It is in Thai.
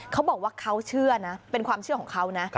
เขาบอกว่าเขาเชื่อนะเป็นความเชื่อของเขานะ